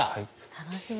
楽しみ。